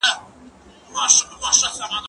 کېدای سي ليکنې اوږدې وي!؟